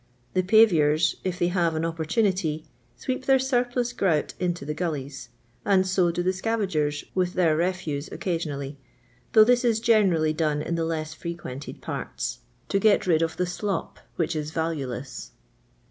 The paviours, if they have an opportunity, sweep their surplus grout into the gullies, and so do the sca vagers with their refuse occasionally, though this is generally done in the less frequented parts, to get rid of the "slop," which is valueless.